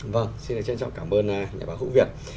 vâng xin trân trọng cảm ơn nhà báo hữu việt